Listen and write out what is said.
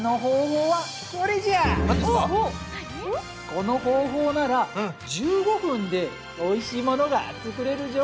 この方法なら１５分でおいしいものが作れるぞ。